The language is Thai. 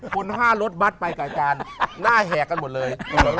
คน๕รถบัตรไปกับอาจารย์หน้าแหกกันหมดเลย